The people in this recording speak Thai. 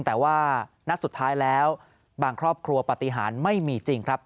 แต่ว่านัดสุดท้ายแล้วบางครอบครัวปฏิหารไม่มีจริงครับ